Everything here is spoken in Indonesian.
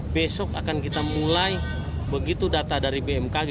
besok akan kita mulai begitu data dari bmkg